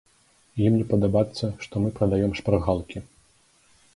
Ім не падабацца, што мы прадаём шпаргалкі.